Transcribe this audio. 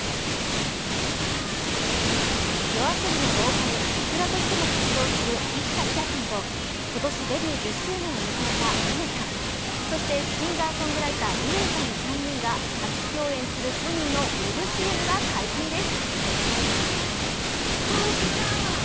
ＹＯＡＳＯＢＩのボーカル、ｉｋｕｒａとしても活動する幾田りらさんと今年デビュー１０周年を迎えたＡｉｍｅｒさん、そしてシンガーソングライター、ｍｉｌｅｔさんの３人が初共演するソニーのウェブＣＭが解禁です。